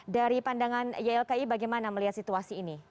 dari pandangan ylki bagaimana melihat situasi ini